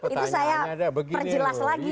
itu saya perjelas lagi